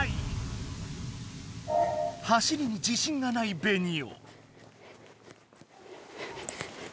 走りに自信がないベニオ。